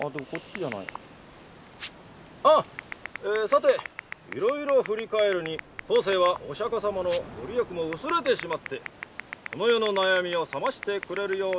「さていろいろ振り返るに当世はお釈様のご利益も薄れてしまってこの世の悩みを覚ましてくれるような人もおらぬ」。